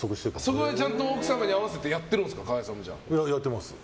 そこはちゃんと奥様に合わせて川合さんもやってるんですか。